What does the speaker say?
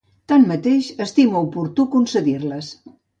Tanmateix, estima oportú concedir-les.